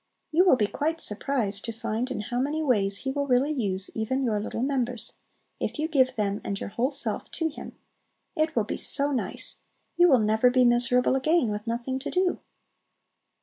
You will be quite surprised to find in how many ways He will really use even your little members, if you give them and your whole self to Him. It will be so nice! You will never be miserable again with "nothing to do!"